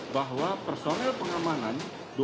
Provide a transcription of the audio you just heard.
bahwa personel pengamanan